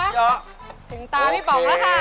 ถึงตาพี่ปองแล้วค่ะ